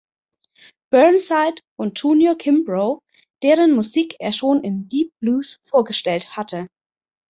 Burnside und Junior Kimbrough, deren Musik er schon in "Deep Blues" vorgestellt hatte.